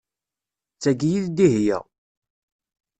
D tagi i d Dihia